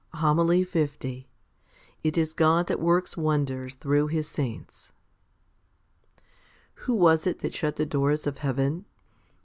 1 Jasi. 18. HOMILY L // is God that works wonders through His saints. 1. WHO was it that shut the doors of heaven?